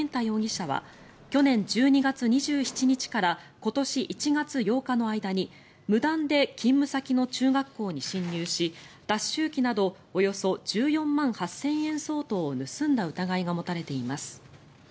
容疑者は去年１２月２７日から今年１月８日の間に無断で勤務先の中学校に侵入し脱臭機などおよそ１４万８０００円相当を盗んだ疑いが持たれています。